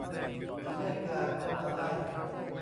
อีแม่กาก็มาไล่